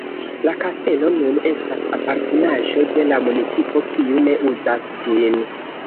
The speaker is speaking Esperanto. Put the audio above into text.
La kastelo nun estas apartenaĵo de la municipo, kiu ne uzas ĝin.